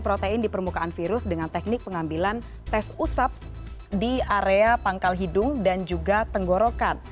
protein di permukaan virus dengan teknik pengambilan tes usap di area pangkal hidung dan juga tenggorokan